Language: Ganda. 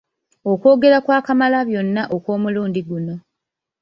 Okwogera kwa Kamalabyonna okw'omulundi guno